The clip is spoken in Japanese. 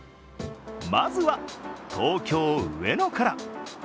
まずは東京・上野から。